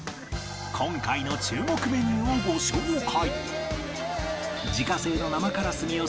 今回の注目メニューをご紹介